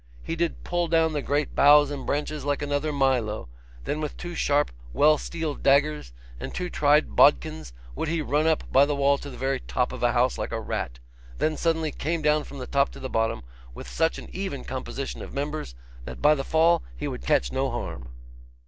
He did pull down the great boughs and branches like another Milo; then with two sharp well steeled daggers and two tried bodkins would he run up by the wall to the very top of a house like a rat; then suddenly came down from the top to the bottom, with such an even composition of members that by the fall he would catch no harm.